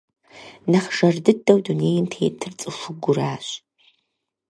Нэхъ жэр дыдэу дунейм тетыр цӀыхугуращ.